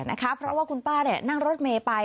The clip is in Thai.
เพราะว่าคุณป้านั่งรถเมย์ไป